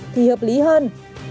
thì hợp lý hơn